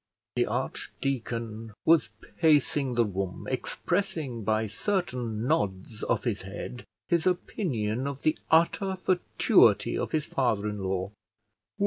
The archdeacon was pacing the room, expressing, by certain nods of his head, his opinion of the utter fatuity of his father in law.